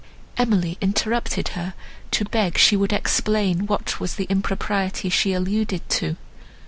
Emily interrupted her, to beg she would explain what was the impropriety she alluded to.